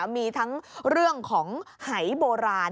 มีทั้งเรื่องของไหวบูราณ